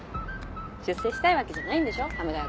出世したいわけじゃないんでしょ亀ヶ谷くん。